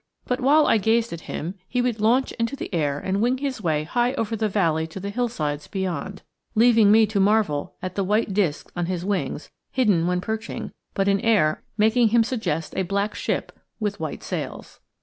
But while I gazed at him he would launch into the air and wing his way high over the valley to the hillsides beyond, leaving me to marvel at the white disks on his wings, hidden when perching, but in air making him suggest a black ship with white sails.